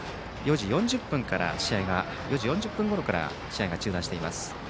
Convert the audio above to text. ４時４０分ごろから試合が中断しています。